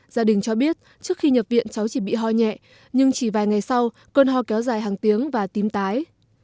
gia đình cho biết trước khi nhập viện cháu chỉ bị ho nhẹ nhưng chỉ vài ngày sau cơn ho kéo dài hàng tiếng và tím tái